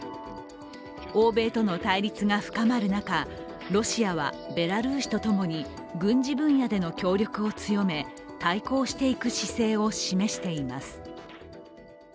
欧米との対立が深まる中、ロシアはベラルーシとともに軍事分野での協力を強め対抗していく姿勢を示しています。